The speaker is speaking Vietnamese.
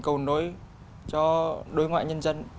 cầu nối cho đối ngoại nhân dân